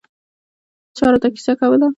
چا راته کیسه کوله.